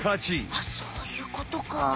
あっそういうことか。